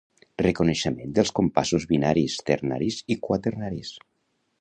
Reconeixement dels compassos binaris, ternaris i quaternaris.